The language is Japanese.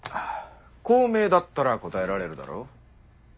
孔明だったら答えられるだろ。